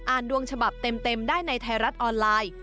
ดวงฉบับเต็มได้ในไทยรัฐออนไลน์